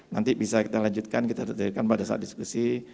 nanti bisa kita lanjutkan kita pada saat diskusi